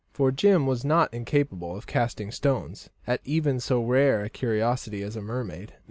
For Jim was not incapable of casting stones at even so rare a curiosity as a mermaid.